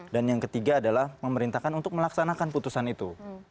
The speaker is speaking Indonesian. dan yang ketiga adalah memerintahkan untuk melaksanakan putusan itu